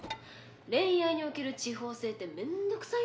「恋愛における地方性って面倒くさいなって」